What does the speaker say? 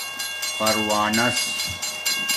پروانس